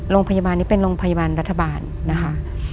โรงพยาบาลนี้เป็นโรงพยาบาลรัฐบาลนะคะ